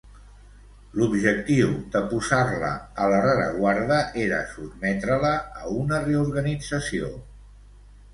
L'objectiu de posar-la a la rereguarda era sotmetre-la a una reorganització.